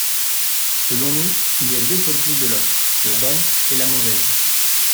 Selon nous, il y a deux politiques de l’offre : la bonne et la mauvaise.